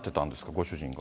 ご主人は。